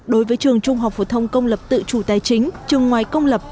đối với trường trung học phổ thông công lập tự chủ tài chính trường ngoài công lập